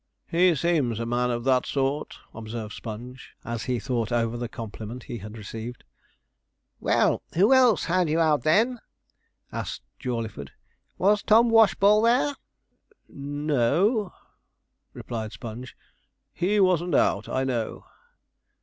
'He seems a man of that sort,' observed Sponge, as he thought over the compliment he had received. 'Well, who else had you out, then?' asked Jawleyford. 'Was Tom Washball there?' 'No,' replied Sponge: 'he wasn't out, I know.'